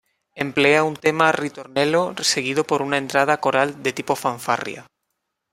Emplea un tema "ritornello" seguido por una entrada coral de tipo fanfarria.